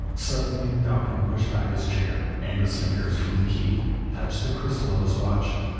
Suddenly Donkin pushed back his chair; and his fingers, from the key, touched the crystal of his watch.